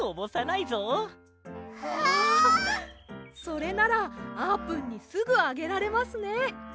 それならあーぷんにすぐあげられますね。